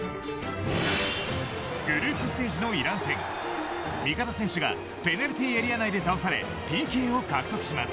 グループステージのイラン戦味方選手がペナルティーエリア内で倒されＰＫを獲得します。